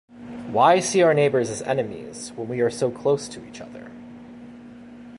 Why see our neighbors as enemies when we are so close to each other?